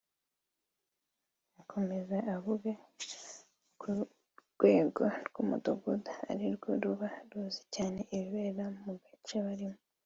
Akomeza avuga ko urwego rw’umudugudu ari rwo ruba ruzi cyane ibibera mu gace barimo